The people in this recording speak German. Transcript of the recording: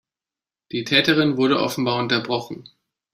Die Täterin wurde offenbar unterbrochen.